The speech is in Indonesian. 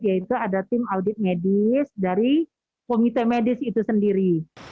yaitu ada tim audit medis dari komite medis itu sendiri